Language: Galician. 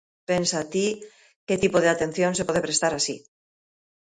Pensa ti que tipo de atención se pode prestar así.